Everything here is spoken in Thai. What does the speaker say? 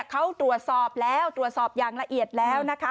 เขาตรวจสอบแล้วตรวจสอบอย่างละเอียดแล้วนะคะ